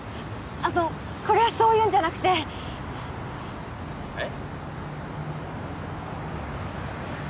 あのこれはそういうんじゃなくてえっ？